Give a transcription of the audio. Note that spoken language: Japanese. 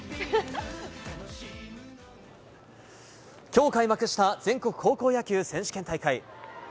きょう開幕した全国高校野球選手権大会。